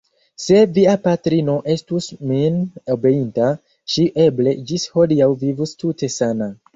Se via patrino estus min obeinta, ŝi eble ĝis hodiaŭ vivus tute sana.